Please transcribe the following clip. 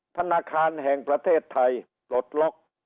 ธนาคารแห่งประเทศไทยปลดล็อก